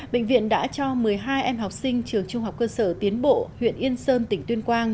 bệnh viện đã cho một mươi hai em học sinh trường trung học cơ sở tiến bộ huyện yên sơn tỉnh tuyên quang